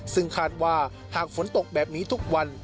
ซึ่งคาดว่าหากฝนตกแบบนี้ทุกวัน